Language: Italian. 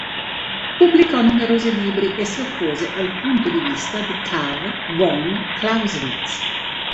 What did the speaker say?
Pubblicò numerosi libri e si oppose al punto di vista di Carl von Clausewitz.